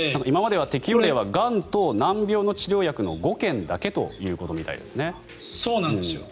今までは適用例はがんと難病の治療薬の５件だけということみたいです。